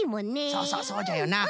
そうそうそうじゃよな。